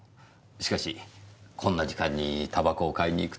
しかしこんな時間にタバコを買いに行くというのは？